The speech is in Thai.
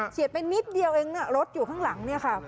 เฉียดไปนิดเดียวเองน่ะรถอยู่ข้างหลังนี่ค่ะ